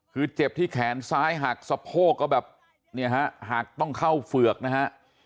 คือเจ็บที่แขนซ้ายหักสะโพกก็แบบเนี่ยฮะหักต้องเข้าเฝือกนะฮะ